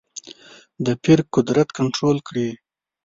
د پیر قدرت کنټرول کړې.